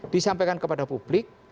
disampaikan kepada publik